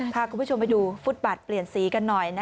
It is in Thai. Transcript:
พาคุณผู้ชมไปดูฟุตบัตรเปลี่ยนสีกันหน่อย